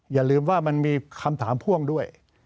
อย่าลืมว่ามันมีคำถามพ่วงด้วย